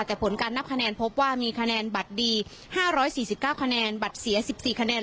แต่ผลการนับคะแนนพบว่ามีคะแนนบัตรดี๕๔๙คะแนนบัตรเสีย๑๔คะแนน